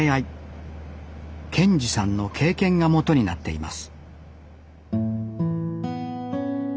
賢次さんの経験が元になっています